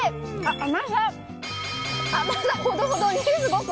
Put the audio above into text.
甘さ、ほどほどにすごく。